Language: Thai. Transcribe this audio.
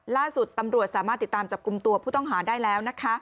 ล่าสุดตำรวจสามารถติดตามจับกลุ่มตัวผู้ต้องหาได้แล้วนะคะ